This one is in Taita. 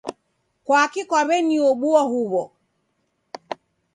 kwaki kwaw'eniobua huwo?